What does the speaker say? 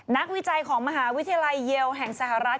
วิจัยของมหาวิทยาลัยเยลแห่งสหรัฐ